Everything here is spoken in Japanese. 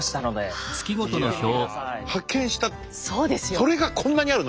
それがこんなにあるの？